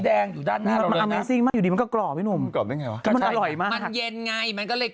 แล้วพอจิ้มลงไปนะพรับเลย